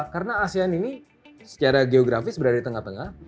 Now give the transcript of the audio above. karena asean ini secara geografis berada di tengah tengah